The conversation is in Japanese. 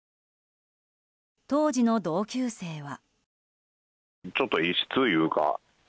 当時の同級生は。